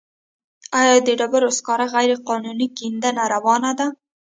آیا د ډبرو سکرو غیرقانوني کیندنه روانه ده؟